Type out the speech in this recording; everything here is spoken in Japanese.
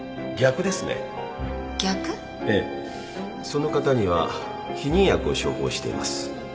その方には避妊薬を処方しています